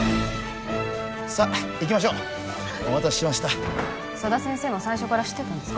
さっ行きましょうお待たせしました佐田先生も最初から知ってたんですか？